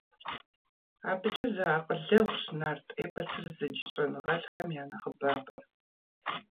Абыкӏэ зэакъылэгъущ нарт эпосыр зыдж щӏэныгъэлӏхэм я нэхъыбапӏэр.